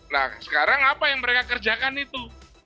nah sekarang apa yang mereka kerjakan itu